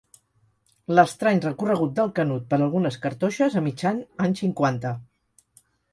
L'estrany recorregut del Canut per algunes cartoixes a mitjan anys cinquanta.